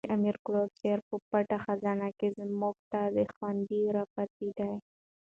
د امیر کروړ شعر په پټه خزانه کښي موږ ته خوندي را پاته دئ.